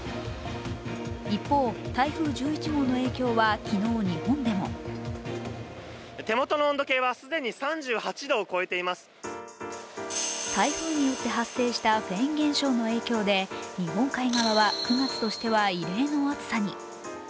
一方、台風１１号の影響は昨日、日本でも台風によって発生したフェーン現象の影響で、日本海側は９月としては異例の暑さに。